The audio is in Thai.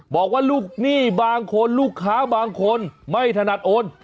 บอกว่าลูกหนี้บางคนลูกค้าบางคนไม่ถนัดโอน